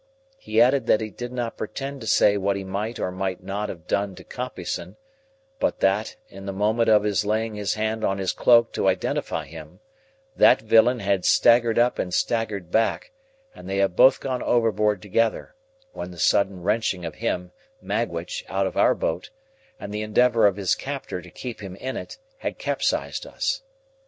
He added that he did not pretend to say what he might or might not have done to Compeyson, but that, in the moment of his laying his hand on his cloak to identify him, that villain had staggered up and staggered back, and they had both gone overboard together, when the sudden wrenching of him (Magwitch) out of our boat, and the endeavour of his captor to keep him in it, had capsized us.